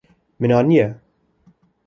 Min aniye.